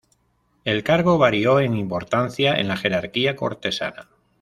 El cargo varió en importancia en la jerarquía cortesana.